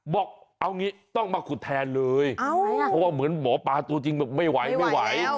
บอกเอางี้ต้องมาขุดแทนเลยเพราะว่าเหมือนหมอปลาตัวจริงแบบไม่ไหวไม่ไหว